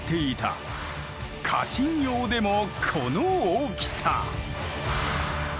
家臣用でもこの大きさ！